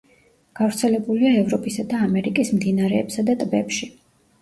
გავრცელებულია ევროპისა და ამერიკის მდინარეებსა და ტბებში.